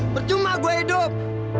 bercuma gua hidup